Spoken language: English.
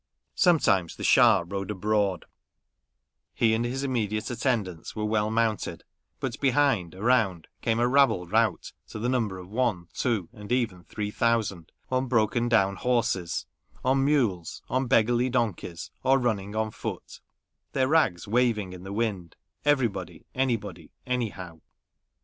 Sometimes the Schah rode abroad ; he and his immediate attendants were well mounted ; but behind, around, came a rabble rout to the number of one, two, or even three thousand, on broken down horses, on mules, on beggarly donkeys, or running on foot, their rags waving in the wind, everybody, anybody, anyhow.